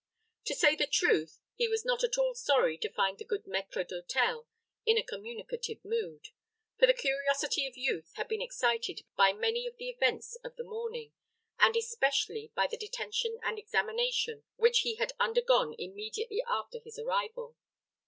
To say the truth, he was not at all sorry to find the good maître d'hôtel in a communicative mood; for the curiosity of youth had been excited by many of the events of the morning, and especially by the detention and examination which he had undergone immediately after his arrival.